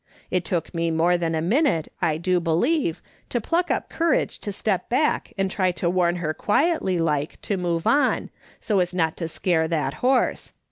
It took me more than a minute, I do believe, to pluck up courage to step back and try to warn her quietly like to move on, so as not to scare that horse.